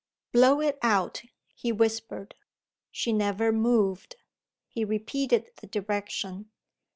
"Blow it out," he whispered. She never moved. He repeated the direction.